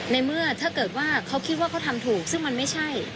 ในเมื่อถ้าเกิดว่าเขาคิดว่าเขาทำถูกซึ่งมันไม่ใช่